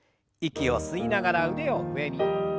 息を吸いながら腕を上に。